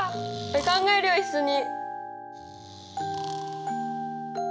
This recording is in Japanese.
考えるよ一緒に。